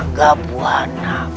rangga buah anak